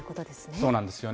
そうなんですよね。